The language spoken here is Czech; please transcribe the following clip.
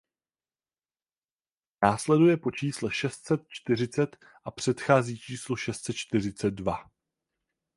Následuje po čísle šest set čtyřicet a předchází číslu šest set čtyřicet dva.